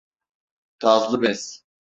Gazlı bez.